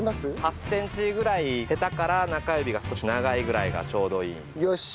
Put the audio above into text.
８センチぐらいヘタから中指が少し長いぐらいがちょうどいい。よし！